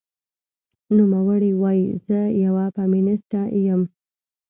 نوموړې وايي، "زه یوه فېمینیسټه یم